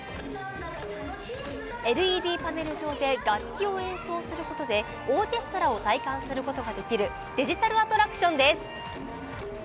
ＬＥＤパネル上で楽器を演奏することでオーケストラを体感することができるデジタルアトラクションです。